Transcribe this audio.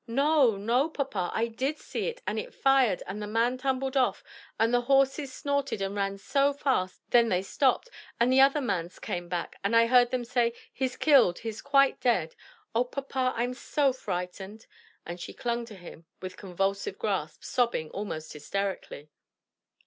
"No, no, papa, I did see it, and it fired, and the man tumbled off, and the horses snorted and ran so fast; then they stopped, and the other mans came back, and I heard them say, 'He's killed; he's quite dead.' O papa, I'm so frightened!" and she clung to him with convulsive grasp, sobbing almost hysterically.